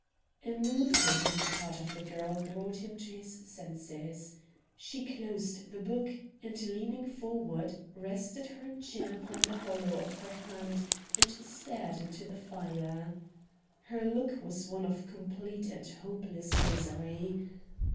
A movement on the part of the girl brought him to his senses. She closed the book, and, leaning forward, rested her chin upon the hollow of her hand and stared into the fire. Her look was one of complete and hopeless misery.